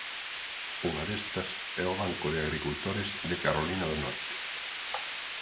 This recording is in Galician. Unha destas é o Banco de Agricultores de Carolina do Nore.